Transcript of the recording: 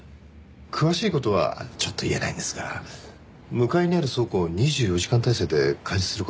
詳しい事はちょっと言えないんですが向かいにある倉庫を２４時間態勢で監視する事になりまして。